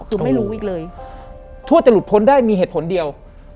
คือไม่รู้อีกเลย